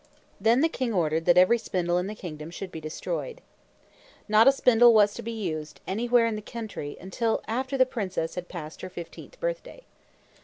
Then the king ordered that every spindle in the kingdom should be destroyed. Not a spindle was to be used, anywhere in the country, until after the princess had passed her fifteenth birthday.